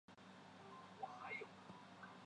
每个小队在露营时使用钟状帐篷。